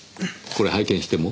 これ拝見しても？